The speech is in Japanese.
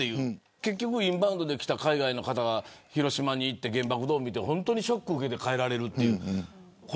結局インバウンドで来た海外の方が広島に行って原爆ドームを見てショックを受けて帰られると。